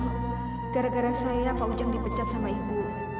gara gara saya pak ujang dipecat sama ibu